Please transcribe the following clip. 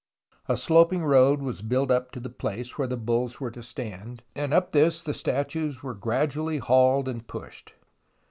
A sloping road was built up to the place where the bulls were to stand, and up this the statues were gradually hauled and pushed.